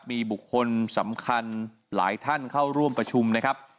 มีบุคคลสำคัญหลายท่านเข้าร่วมประชุมนะครับ